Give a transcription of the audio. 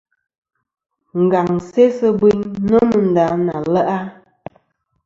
Ngaŋ sesɨ biyn nômɨ nda na le'a.